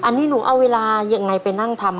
อันนี้หนูเอาเวลายังไงไปนั่งทำ